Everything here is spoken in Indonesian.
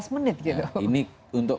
lima belas menit ini untuk